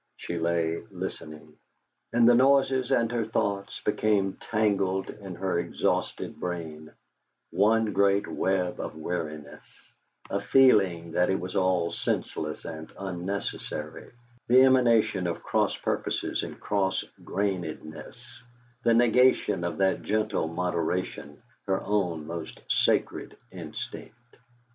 She lay listening. And the noises and her thoughts became tangled in her exhausted brain one great web of weariness, a feeling that it was all senseless and unnecessary, the emanation of cross purposes and cross grainedness, the negation of that gentle moderation, her own most sacred instinct.